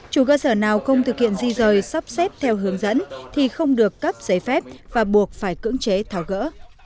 chủ cơ sở nào không thực hiện di rời sắp xếp theo hướng dẫn thì không được cấp giấy phép và buộc phải cưỡng chế thảo gỡ